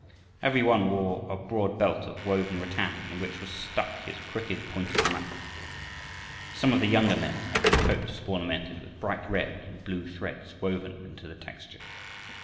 Every one wore a broad belt of woven rattan in which was stuck his crooked pointed knife. Some of the younger men had their coats ornamented with bright red and blue threads woven into the texture.